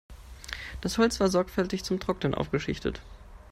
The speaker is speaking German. Das Holz war sorgfältig zum Trocknen aufgeschichtet.